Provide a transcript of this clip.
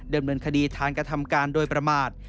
ดำเนินคดีฐานกระทำการโดยประมาท